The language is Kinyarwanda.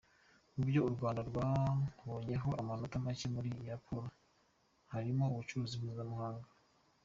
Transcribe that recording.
Mu byo u Rwanda rwabonyeho amanota make muri iyi raporo, harimo ubucuruzi mpuzamahanga.